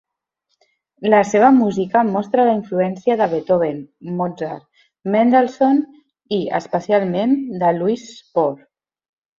La seva música mostra la influència de Beethoven, Mozart, Mendelssohn i, especialment, de Louis Spohr.